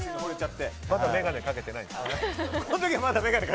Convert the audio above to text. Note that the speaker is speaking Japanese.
まだ眼鏡かけてないですね。